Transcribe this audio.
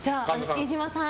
飯島さん。